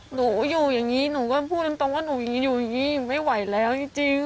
หนูอยู่อย่างนี้หนูก็พูดตรงว่าหนูอย่างนี้อยู่อย่างนี้หนูไม่ไหวแล้วจริง